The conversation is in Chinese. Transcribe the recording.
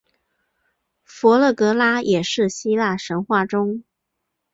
佛勒格拉也是希腊神话中。